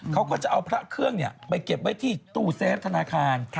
เขาก็จะเอาพระเครื่องไปเก็บไว้ที่ตู้เซฟธนาคาร